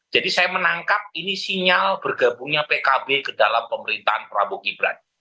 jadi saya menangkap ini sinyal bergabungnya pkb ke dalam pemerintahan prabowo gibrant